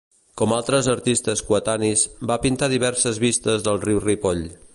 Com altres artistes coetanis, va pintar diverses vistes del Riu Ripoll.